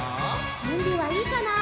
じゅんびはいいかな？